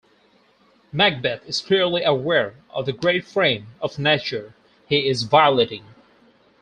Macbeth is clearly aware of the great frame of Nature he is violating.